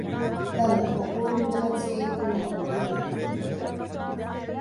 أنا فخور بنفسي. نعم، أنا فخور.